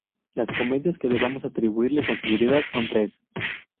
Las comedias que debemos atribuirle con seguridad son tres.